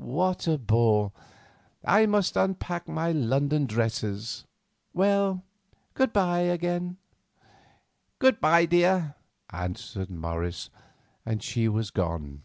"What a bore, I must unpack my London dresses. Well, good bye again." "Good bye, dear," answered Morris, and she was gone.